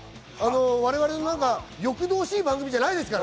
我々の欲々しい番組ではないですから。